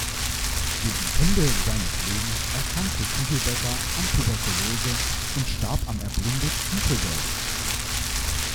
Gegen Ende seines Lebens erkrankte Küchelbecker an Tuberkulose und starb am erblindet in Tobolsk.